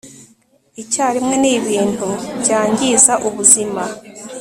icyarimwe ni ibintu byangiza ubuzima